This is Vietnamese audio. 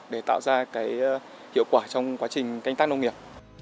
để tạo ra hiệu quả trong quá trình canh tác nông nghiệp